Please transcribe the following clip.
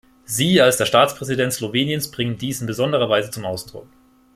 Sie als der Staatspräsident Sloweniens bringen dies in besonderer Weise zum Ausdruck.